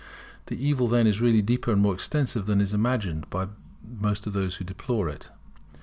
The evil then is really deeper and more extensive than is imagined by most of those who deplore it.